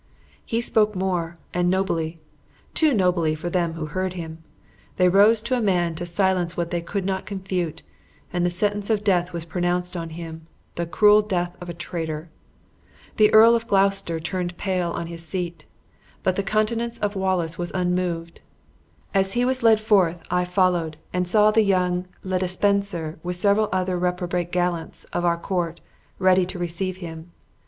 He spoke more and nobly too nobly for them who heard him. They rose to a man to silence what they could not confute; and the sentence of death was pronounced on him the cruel death of a traitor! The Earl of Gloucester turned pale on his seat, but the countenance of Wallace was unmoved. As he was led forth, I followed, and of Wallace was unmoved. As he was led forth, I followed, and saw the young Le de Spencer, with several other reprobate gallants of our court, ready to receive him.